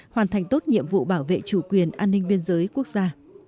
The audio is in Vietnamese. hoàn thành tốt nhiệm vụ bảo vệ chủ quyền an ninh biên giới quốc gia